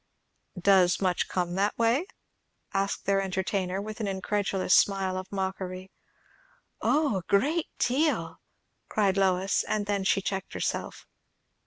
"Does much come that way?" asked their entertainer, with an incredulous smile of mockery. "O, a great deal!" cried Lois; and then she checked herself.